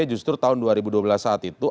justru tahun dua ribu dua belas saat itu